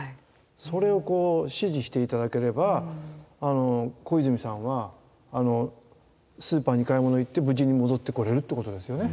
それをこう指示して頂ければ小泉さんはスーパーに買い物行って無事に戻ってこれるってことですよね。